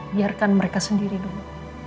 biarkan mereka sendiri dulu